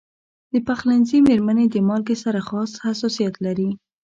د پخلنځي میرمنې د مالګې سره خاص حساسیت لري.